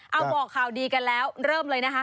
เอาบอกข่าวดีกันแล้วเริ่มเลยนะคะ